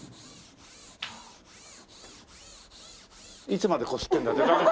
いつまでこすってんだって誰も。